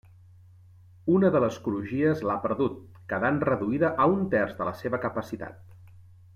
Una de les crugies l'ha perdut, quedant reduïda a un terç de la seva capacitat.